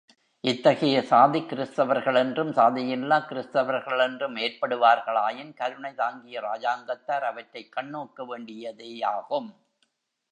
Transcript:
இத்தகைய சாதிக் கிறிஸ்தவர்களென்றும் சாதியில்லாக் கிறிஸ்தவர்களென்றும் ஏற்படுவார்களாயின் கருணை தங்கிய ராஜாங்கத்தார் அவற்றைக் கண்ணோக்க வேண்டியதேயாகும்.